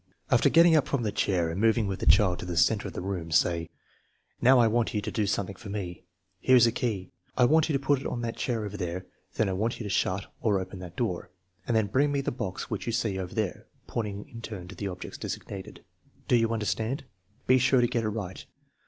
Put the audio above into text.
After getting up from the chair and moving with the child to the center of the room, say: "Now, I want you to do something for me. Here 9 s a key. I want you to put it on that chair over there; then I want you to shut (or open) that door, and then bring me the box which you see over there (pointing in turn to the objects designated). Do you understand ? Be sure to get it right.